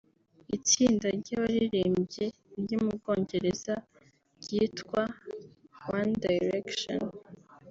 Itsinda ry’abaririmbyi ryo mu Bwongereza ryitwa One Direction